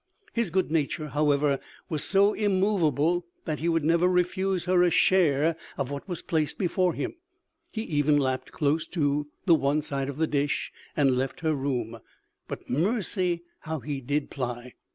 His good nature, however, was so immovable, that he would never refuse her a share of what was placed before him; he even lapped close to the one side of the dish, and left her room, but mercy! how he did ply!